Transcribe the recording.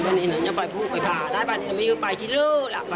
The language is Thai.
ตอนนี้ก็ไม่มีเวลาให้กลับมาเที่ยวกับเวลา